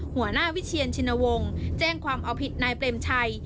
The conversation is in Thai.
หัวหน้าวิเชียนชินวงศ์แจ้งความเอาผิดนายเปรมชัย